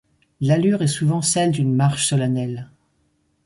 L'allure est souvent celle d'une marche solennelle.